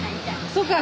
そうか。